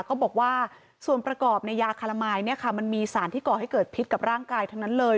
ก็บอกว่าส่วนประกอบในยาคารามายมันมีสารที่ก่อให้เกิดพิษกับร่างกายทั้งนั้นเลย